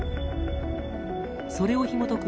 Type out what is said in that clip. それをひもとく